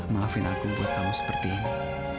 maafin aku buat kamu seperti ini